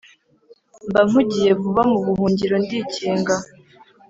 Mba mpungiye vuba mu buhungiro ndikinga